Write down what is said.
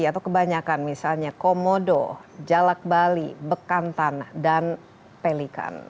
atau kebanyakan misalnya komodo jalak bali bekantan dan pelikan